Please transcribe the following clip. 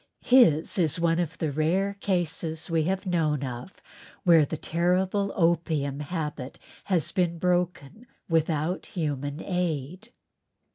His is one of the rare cases we have known of, where the terrible opium habit has been broken without human aid.